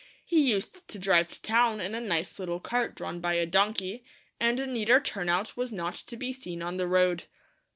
He used to drive to town in a nice little cart drawn by a donkey, and a neater turn out was not to be seen on the road.